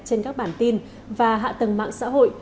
trên các bản tin và hạ tầng mạng xã hội